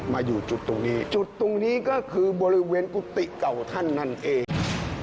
มาอยู่จุดตรงนี้จุดตรงนี้ก็คือบริเวณกุฏิเก่าท่านนั่นเอง